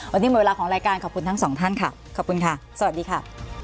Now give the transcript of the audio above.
วันนี้หมดเวลาของรายการขอบคุณทั้งสองท่านค่ะขอบคุณค่ะสวัสดีค่ะ